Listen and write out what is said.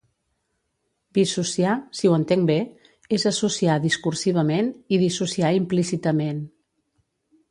«bisociar, si ho entenc bé, és associar discursivament i dissociar implícitament».